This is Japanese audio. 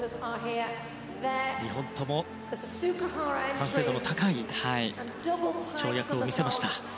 ２本とも完成度の高い跳躍を見せました。